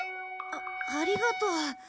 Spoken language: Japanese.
あありがとう。